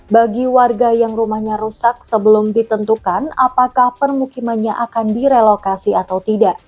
bagi warga yang rumahnya rusak sebelum ditentukan apakah permukimannya akan direlokasi atau tidak